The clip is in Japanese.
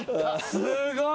すごい。